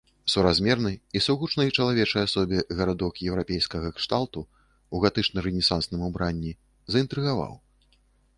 Суразмерны і сугучны чалавечай асобе гарадок еўрапейскага кшталту ў гатычна-рэнесансным убранні заінтрыгаваў.